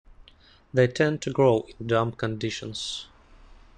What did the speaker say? They tend to grow in damp conditions.